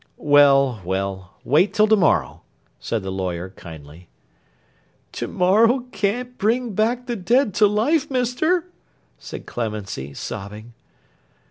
'Well, well! Wait till to morrow,' said the lawyer, kindly. 'To morrow can't bring back' the dead to life, Mister,' said Clemency, sobbing.